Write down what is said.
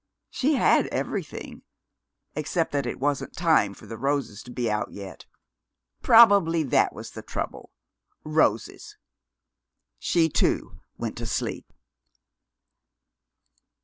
She had everything, except that it wasn't time for the roses to be out yet. Probably that was the trouble.... Roses.... She, too, went to sleep.